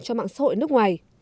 cho mạng xã hội nước ngoài